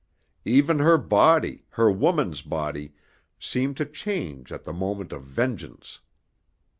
Even her body, her woman's body, seemed to change at the moment of vengeance.